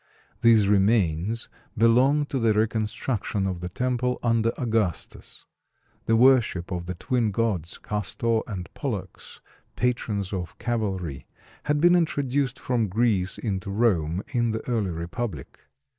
These remains belong to the reconstruction of the temple under Augustus. The worship of the twin gods, Castor and Pollux, patrons of cavalry, had been introduced from Greece into Rome in the early republic.